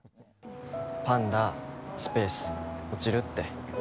パンダ、スペース、落ちるって。